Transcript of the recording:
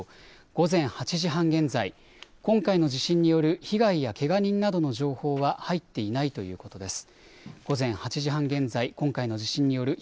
午前８時半現在、今回の地震による被害やけが人などの情報は入っていないということです。